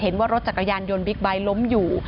เห็นว่ารถจักรยานยนต์บิ๊กไบท์ล้มอยู่